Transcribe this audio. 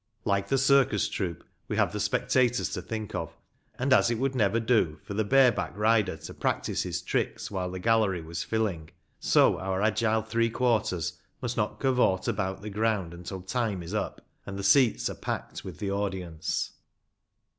Like the circus troupe, we have the spectators to think of, and as it would never do for the bare back rider to practice A MODERN GAME OF RUGBY FOOTBALL. 205 his tricks while the gallery was filling, so our agile three quarters must not " cavort " about the ground until time is up, and the seats are packed with the audience.